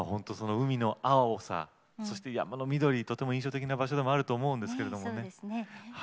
海の青さ、山の緑、とても印象的な場所でもあると思うんですけど。